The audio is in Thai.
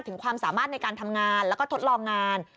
ถึงความสามารถในการทำงานแล้วก็ทดลองงาน